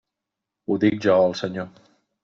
Ho dic jo, el Senyor.